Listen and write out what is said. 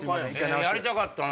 やりたかったな！